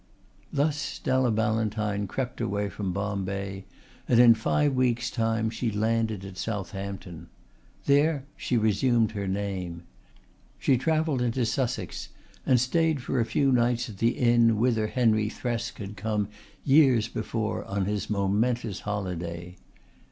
Thus Stella Ballantyne crept away from Bombay and in five weeks' time she landed at Southampton. There she resumed her name. She travelled into Sussex and stayed for a few nights at the inn whither Henry Thresk had come years before on his momentous holiday.